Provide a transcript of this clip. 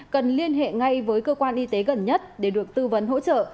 cần liên hệ ngay với cơ quan y tế gần nhất để được tư vấn hỗ trợ